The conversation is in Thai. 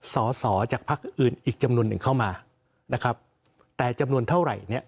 สอสอจากภักดิ์อื่นอีกจำนวนหนึ่งเข้ามานะครับแต่จำนวนเท่าไหร่เนี่ย